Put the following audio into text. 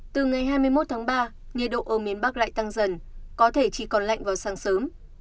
từ ngày hai mươi một tháng ba nhiệt độ ở miền bắc lại tăng dần có thể chỉ còn lạnh vào sáng sớm